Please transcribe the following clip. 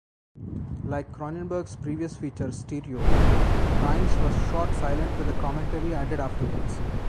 Like Cronenberg's previous feature, "Stereo", "Crimes" was shot silent with a commentary added afterwards.